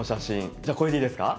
じゃあ、これでいいですか？